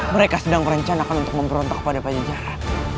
mereka sedang merencanakan untuk memberontak pada pajaha